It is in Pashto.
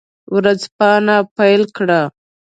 ورځپاڼه پیل کړه.